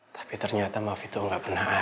tapi ternyata maaf itu gak pernah ada